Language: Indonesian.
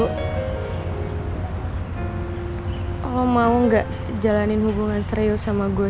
kalau mau gak jalanin hubungan serius sama gue